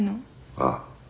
ああ。